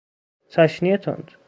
چاشنی تند